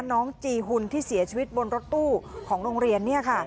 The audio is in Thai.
น้องจีหุ่นที่เสียชีวิตบนรถตู้ของโรงเรียนเนี่ยค่ะ